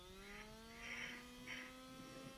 Ahora vamos por vos y tu sindicato.